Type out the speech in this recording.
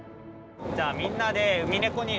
じゃあみんなでえ